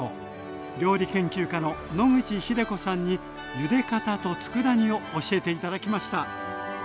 料理研究家の野口日出子さんにゆで方とつくだ煮を教えて頂きました。